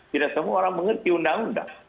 tidak semua orang mengerti undang undang